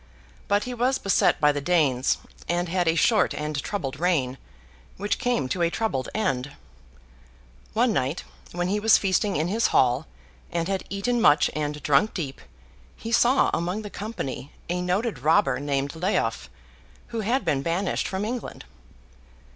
But he was beset by the Danes, and had a short and troubled reign, which came to a troubled end. One night, when he was feasting in his hall, and had eaten much and drunk deep, he saw, among the company, a noted robber named Leof, who had been banished from England.